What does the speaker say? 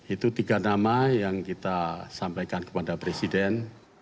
itu tiga nama yang kita sampaikan kepada presiden